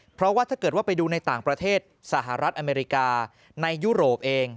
เพราะว่าถ้าเกิดว่าไปดูในต่างประเทศสหรัฐอเมริกาในยุโรปเอง